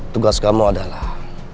tugas kamu adalah